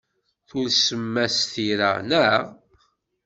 Tulsem-as tira, naɣ?